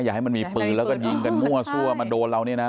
ให้มันมีปืนแล้วก็ยิงกันมั่วซั่วมาโดนเราเนี่ยนะ